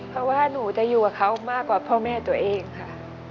เพราะว่าหนูจะอยู่กับเขามากกว่าพ่อแม่ตัวเองค่ะ